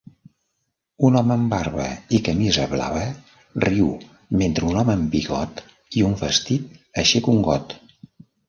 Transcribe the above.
Un home amb barba i camisa blava riu mentre un home amb bigot i un vestit aixeca un got